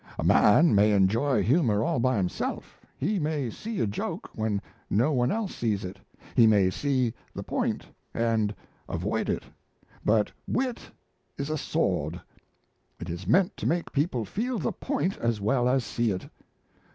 A man may enjoy humour all by himself; he may see a joke when no one else sees it; he may see the point and avoid it. But wit is a sword; it is meant to make people feel the point as well as see it.